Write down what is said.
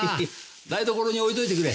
台所に置いといてくれ。